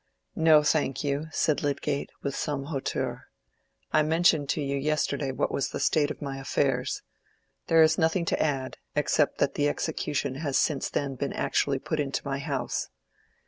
"No, thank you," said Lydgate, with some hauteur. "I mentioned to you yesterday what was the state of my affairs. There is nothing to add, except that the execution has since then been actually put into my house.